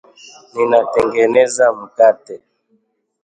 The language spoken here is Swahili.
Ninatengeneza mkate.